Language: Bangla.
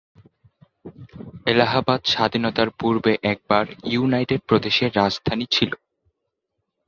এলাহাবাদ স্বাধীনতার পূর্বে একবার ইউনাইটেড প্রদেশের রাজধানী ছিল।